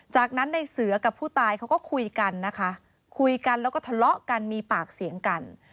จากนั้นในเสือกับผู้ตายเขาก็คุยกันนะคะคุยกันแล้วก็ทะเลาะกันมีปากเสียงกัน